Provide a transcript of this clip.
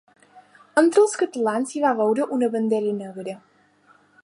Entre els catalans s'hi va veure una Bandera Negra.